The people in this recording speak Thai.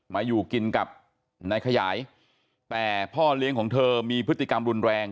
มาอยู่กินกับนายขยายแต่พ่อเลี้ยงของเธอมีพฤติกรรมรุนแรง